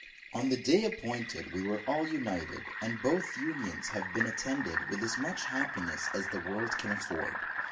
On the day appointed, we were all united; and both unions have been attended with as much happiness as this world can afford.